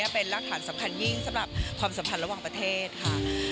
เป็นรักฐานสำคัญยิ่งสำหรับความสัมพันธ์ระหว่างประเทศค่ะ